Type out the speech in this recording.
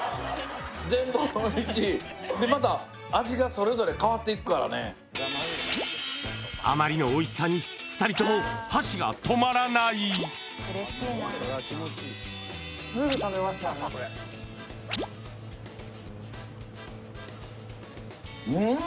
でまた味がそれぞれ変わっていくからねあまりのおいしさに２人とも箸が止まらないうーん！